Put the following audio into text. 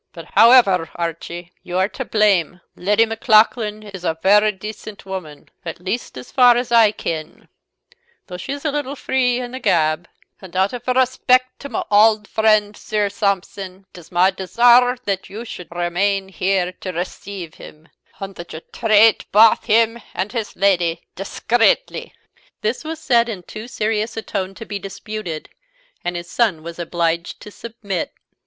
"But, however, Archie, you are to blame: Leddy Maclaughlan is a very decent woman at least, as far as I ken though she is a little free in the gab; and out of respect to my auld friend Sir Sampson, it is my desire that you should remain here to receive him, and that you trait baith him and his Lady discreetly." This was said in too serious a tone to be disputed, and his son was obliged to submit.